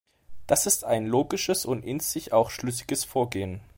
Das ist ein logisches und in sich auch schlüssiges Vorgehen.